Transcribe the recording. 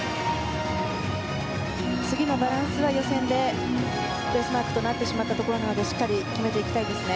次のバランスは予選でベースマークとなったのでしっかり決めていきたいですね。